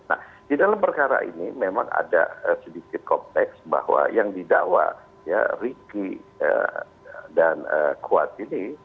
nah di dalam perkara ini memang ada sedikit kompleks bahwa yang didakwa ya riki dan kuat ini